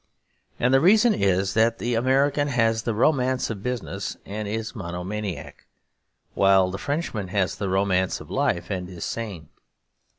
And the reason is that the American has the romance of business and is monomaniac, while the Frenchman has the romance of life and is sane.